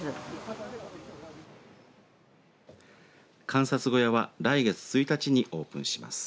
観察小屋は来月１日にオープンします。